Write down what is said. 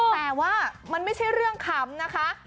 แต่ว่ามันไม่ใช่เรื่องขำนะคะ